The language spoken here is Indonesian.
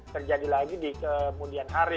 terjadi lagi di kemudian hari